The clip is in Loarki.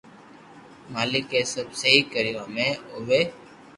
مالڪ اي سب سھي ڪرئي ھمي اوري